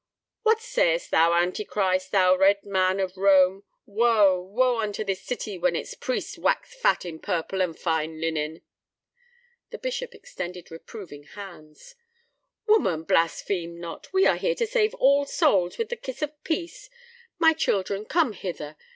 "What sayest thou, Antichrist, thou Red Man of Rome? Woe, woe unto this city when its priests wax fat in purple and fine linen!" The bishop extended reproving hands. "Woman, blaspheme not! We are here to save all souls with the kiss of peace. My children, come hither.